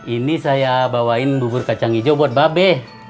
ini saya bawain bubur kacang hijau buat bab be